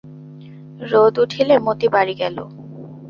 রোদ উঠিলে মতি বাড়ি গেল।